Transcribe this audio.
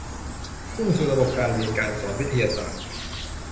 มุ่งสู่ระบบการเรียนการสอนวิทยาศาสตร์